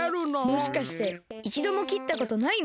もしかしていちどもきったことないの？